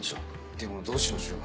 でもどうしましょう。